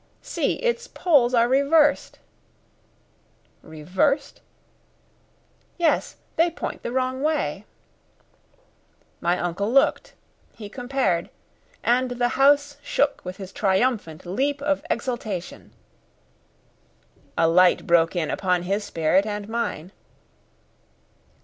"See, its poles are reversed!" "Reversed?" "Yes, they point the wrong way." My uncle looked, he compared, and the house shook with his triumphant leap of exultation. A light broke in upon his spirit and mine.